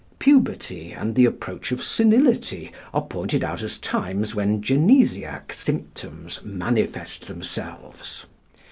Puberty and the approach of senility are pointed out as times when genesiac symptoms manifest themselves.